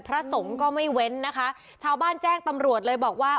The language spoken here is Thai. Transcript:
พระสงฆ์ก็ไม่เว้นนะคะชาวบ้านแจ้งตำรวจเลยบอกว่า